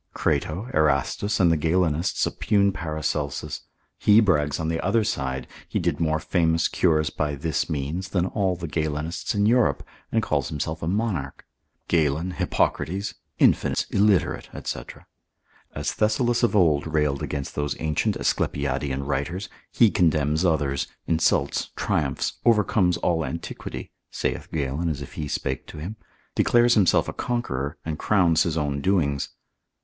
Crato, Erastus, and the Galenists oppugn Paracelsus, he brags on the other side, he did more famous cures by this means, than all the Galenists in Europe, and calls himself a monarch; Galen, Hippocrates, infants, illiterate, &c. As Thessalus of old railed against those ancient Asclepiadean writers, he condemns others, insults, triumphs, overcomes all antiquity (saith Galen as if he spake to him) declares himself a conqueror, and crowns his own doings.